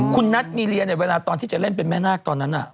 คุณนัทมีเรียเนี่ยเวลาตอนที่จะเล่นเป็นแม่นาคตอนนั้น